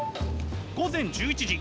午前１１時。